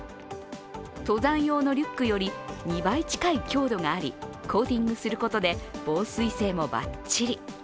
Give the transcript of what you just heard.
登山用のリュックより２倍近い強度がありコーティングすることで防水性もばっちり。